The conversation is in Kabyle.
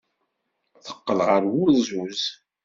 Teqqel ɣer wulzuz.